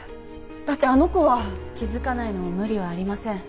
だってあの子は気づかないのも無理はありません